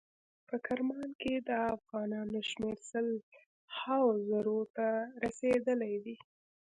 په کرمان کې د افغانانو شمیر سل هاو زرو ته رسیدلی وي.